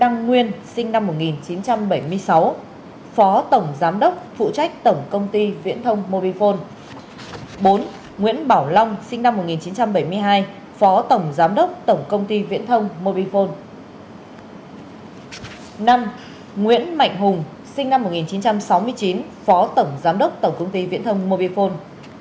năm nguyễn mạnh hùng sinh năm một nghìn chín trăm sáu mươi chín phó tổng giám đốc tổng công ty viễn thông mobile phone